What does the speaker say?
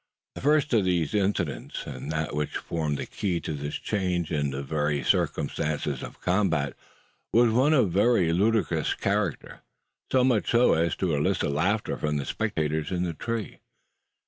The first of these incidents and that which formed the key to this change in the circumstances of the combat, was one of a very ludicrous character so much so as to elicit laughter from the spectators in the tree.